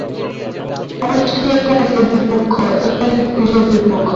অষ্ট্রীয়া কাজেই বিপক্ষ, ইতালী খুইয়ে বিপক্ষ।